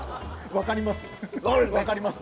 分かります。